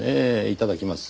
いただきます。